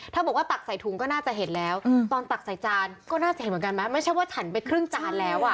ถ้าบอกว่าตักใส่ถุงก็น่าจะเห็นแล้วตอนตักใส่จานก็น่าจะเห็นเหมือนกันไหม